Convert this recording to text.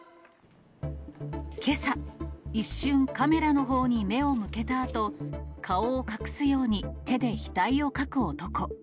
けさ、一瞬、カメラのほうに目を向けたあと、顔を隠すように手で額をかく男。